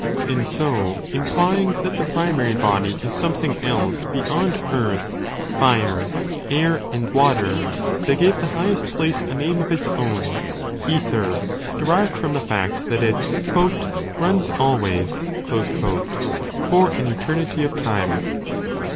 And so, implying that the primary body is something else beyond earth, fire, air, and water, they gave the highest place a name of its own, az¢her, derived from the fact that it 'runs always'? for an eternity of time.